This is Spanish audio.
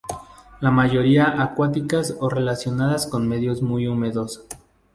La mayoría acuáticas o relacionadas con medios muy húmedos.